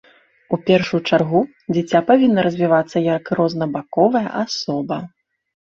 У першую чаргу, дзіця павінна развівацца як рознабаковая асоба.